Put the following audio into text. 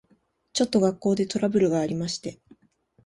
ちょっと学校でトラブルがありまして。